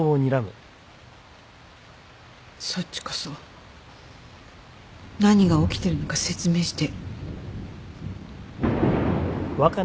そっちこそ何が起きてるのか説明して。